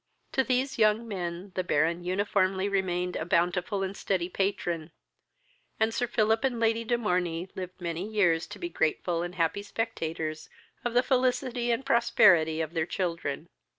To these young men the Baron uniformly remained a bountiful and steady patron, and Sir Philip and Lady de Morney lived many years to be grateful and happy spectators of the felicity and prosperity of their children.